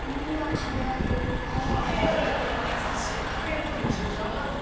壁当てのモチベーション上がるの？